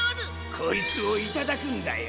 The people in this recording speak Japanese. こいつをいただくんだよ。